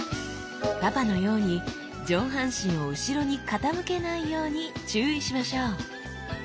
パパのように上半身を後ろに傾けないように注意しましょう。